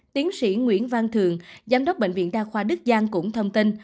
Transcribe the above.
tiến sĩ nguyễn văn thường giám đốc bệnh viện đa khoa đức giang cũng thông tin